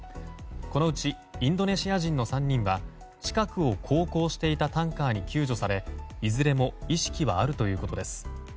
このうちインドネシア人の３人は近くを航行していたタンカーに救助されいずれも意識はあるということです。